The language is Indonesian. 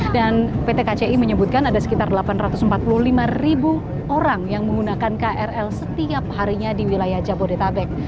pt kci menyebutkan ada sekitar delapan ratus empat puluh lima ribu orang yang menggunakan krl setiap harinya di wilayah jabodetabek